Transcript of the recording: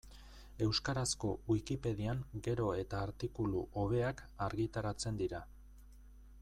Euskarazko Wikipedian gero eta artikulu hobeak argitaratzen dira.